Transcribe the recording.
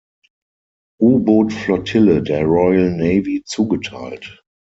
U-Boot-Flottille der Royal Navy zugeteilt.